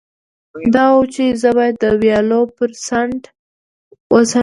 دا وه، چې زه باید د ویالو پر څنډه څنډه.